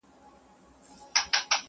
ښه او بد د قاضي ټول ورته عیان سو.